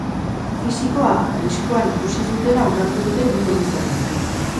Fisikoa arriskuan ikusi zutela onartu dute bi foruzainek.